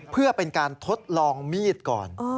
เพื่อเป็นการทดลองมีดก่อน